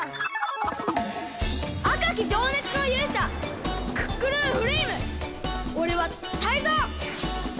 あかきじょうねつのゆうしゃクックルンフレイムおれはタイゾウ！